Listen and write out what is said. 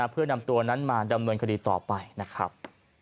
เพื่อนำตัวนั้นมาดำเนินคดีต่อไปนะครับ